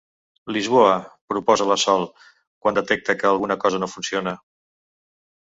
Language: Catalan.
Lisboa —proposa la Sol, quan detecta que alguna cosa no funciona.